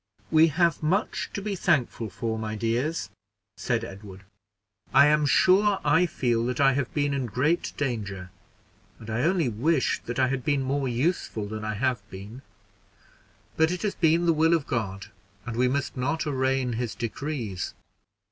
"We have much to be thankful for, my dears," said Edward. "I am sure I feel that I have been in great danger, and I only wish that I had been more useful than I have been; but it has been the will of God, and we must not arraign his decrees.